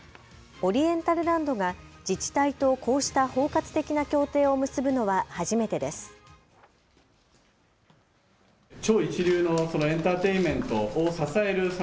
オリエンタルランドが自治体とこうした包括的な協定を結ぶのは初めてです。